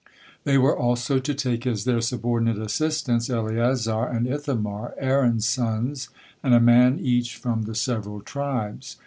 They were also to take as their subordinate assistants Eleazar and Ithamar, Aaron's sons, and a man each from the several tribes.